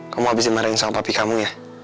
kamu habis dimarahin sama papi kamu ya